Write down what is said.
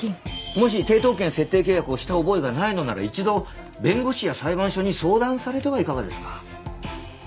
もし抵当権設定契約をした覚えがないのなら一度弁護士や裁判所に相談されてはいかがですか。